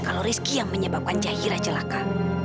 kalau rizky yang menyebabkan jahira celaka